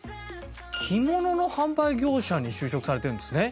着物の販売業者に就職されてるんですね。